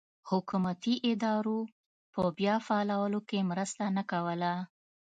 حکومتي ادارو په بیا فعالولو کې مرسته نه کوله.